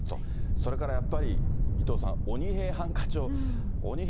それからやっぱり、伊藤さん、鬼平犯科帳。